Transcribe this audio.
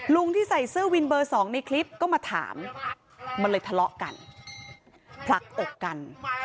ที่ใส่เสื้อวินเบอร์สองในคลิปก็มาถามมันเลยทะเลาะกันผลักอกกัน